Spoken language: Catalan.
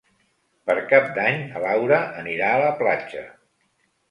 Per Cap d'Any na Laura anirà a la platja.